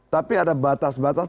tapi ada batas batas